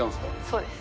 そうです。